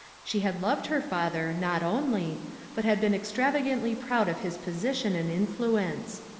She had loved her father, not only, but had been extravagantly proud of his position and influence.